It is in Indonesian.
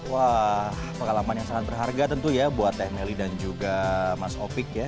wah pengalaman yang sangat berharga tentu ya buat teh melly dan juga mas opik ya